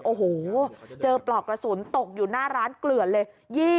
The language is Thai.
โอ้โหเจอปลอกกระสุนตกอยู่หน้าร้านเกลือนเลย